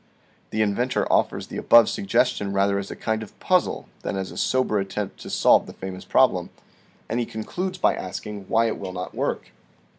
The inventor offers the above suggestion rather as a kind of puzzle than as a sober attempt to solve the famous problem, and he concludes by asking why it will not work